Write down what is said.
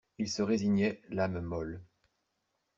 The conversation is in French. Il se résignait, l'âme molle.